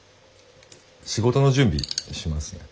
仕事の準備しますね。